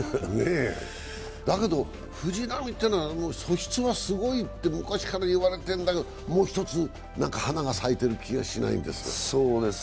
だけど、藤浪っていうのは素質はすごいって昔から言われてるんだけどもう一つ何か花が咲いている気がしないんですが。